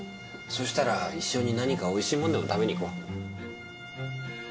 そうしたら一緒に何かおいしいものでも食べに行こう。